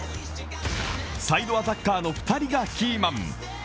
サイドアタッカーの２人がキーマン。